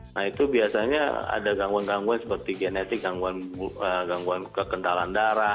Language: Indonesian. nah itu biasanya ada gangguan gangguan seperti genetik gangguan kekendalan darah